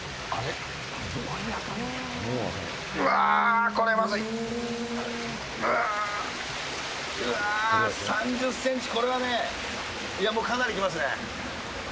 うわー、３０センチ、これはね、いやもうかなりきますね。